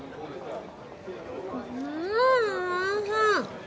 うんおいしい！